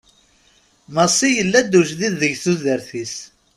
Massi yella-d ujdid deg tudert-is.